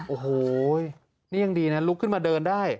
โอ้โหนี่ยังดีนะลุกขึ้นมาเดินได้